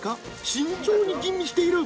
慎重に吟味している。